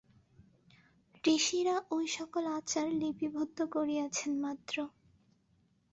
ঋষিরা ঐ সকল আচার লিপিবদ্ধ করিয়াছেন মাত্র।